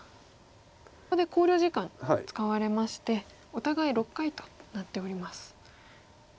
ここで考慮時間使われましてお互い６回となっております。